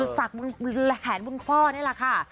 สักแขนคุณพ่อนี่แหละค่ะ